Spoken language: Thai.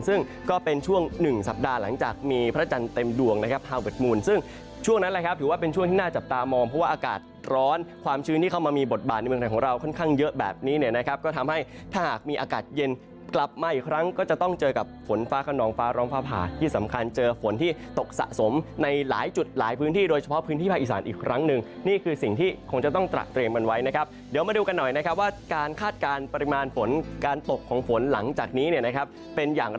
ซึ่งก็เป็นช่วงหนึ่งสัปดาห์หลังจากมีพระจันทร์เต็มดวงนะครับฮาวเวิร์ดมูลซึ่งช่วงนั้นแหละครับถือว่าเป็นช่วงที่น่าจับตามองเพราะว่าอากาศร้อนความชื้นที่เข้ามามีบทบาทในเมืองไทยของเราค่อนข้างเยอะแบบนี้เนี่ยนะครับก็ทำให้ถ้าหากมีอากาศเย็นกลับมาอีกครั้งก็จะต้องเจอกับฝน